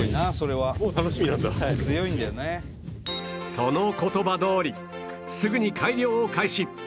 その言葉どおりすぐに改良を開始